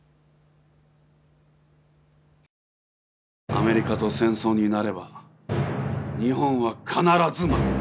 アメリカと戦争になれば日本は必ず負ける。